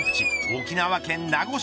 沖縄県名護市。